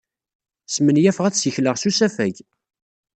Smenyafeɣ ad ssikleɣ s usafag.